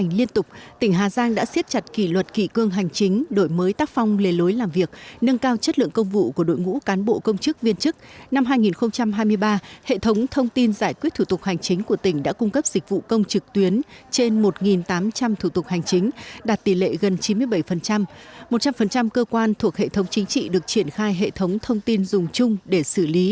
hệ thống chính trị được triển khai hệ thống thông tin dùng chung để xử lý